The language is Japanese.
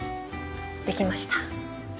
できました。